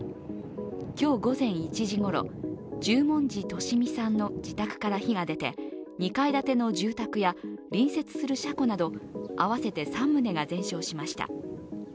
今日午前１時ごろ十文字利美さんの自宅から火が出て２階建ての住宅や隣接する車庫など合わせて３棟が全焼しました。